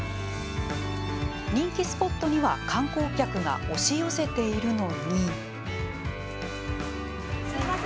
人気スポットには観光客が押し寄せているのに。